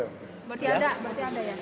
berarti ada masih ada ya